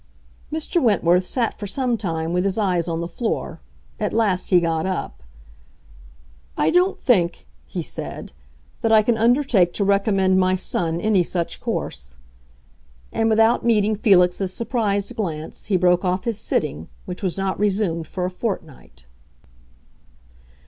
Mr. Wentworth sat for some time with his eyes on the floor; at last he got up. "I don't think," he said, "that I can undertake to recommend my son any such course." And without meeting Felix's surprised glance he broke off his sitting, which was not resumed for a fortnight.